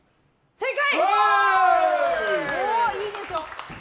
正解！